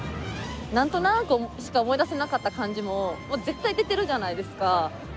何となくしか思い出せなかった漢字も絶対出てるじゃないですか。